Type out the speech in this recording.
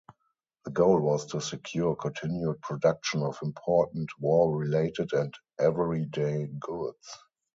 The goal was to secure continued production of important war-related and everyday goods.